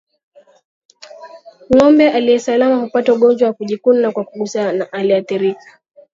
Ngombe aliye salama hupata ugonjwa wa kujikuna kwa kugusana na aliyeathirika